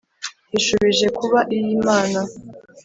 Ishubije kuba iy’ Imana,